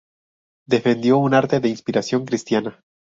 Defendió un arte de inspiración cristiana.